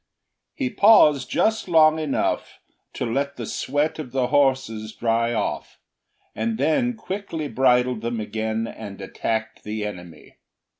He paused just long enough to let the sweat of the horses dry off, and then quickly bridled them again and attacked the enemy.